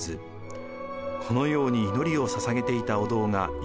このように祈りをささげていたお堂が今も残っています。